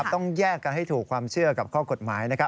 ต้องแยกกันให้ถูกความเชื่อกับข้อกฎหมายนะครับ